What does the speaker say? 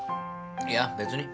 いや別に。